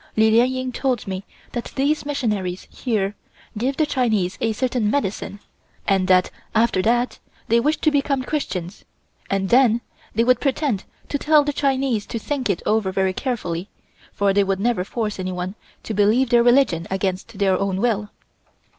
Li Lien Ying told me that these missionaries here give the Chinese a certain medicine, and that after that they wish to become Christians, and then they would pretend to tell the Chinese to think it over very carefully, for they would never force anyone to believe their religion against their own will.